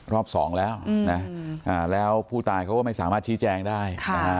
รอบสองแล้วนะแล้วผู้ตายเขาก็ไม่สามารถชี้แจงได้